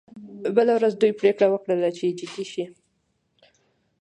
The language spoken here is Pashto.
بله ورځ دوی پریکړه وکړه چې جدي شي